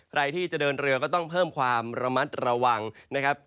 ใครที่จะเดินเรือก็ต้องเพิ่มความระมัดระวังนะครับ